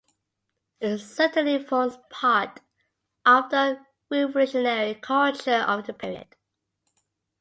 It certainly forms part of the revolutionary culture of the period.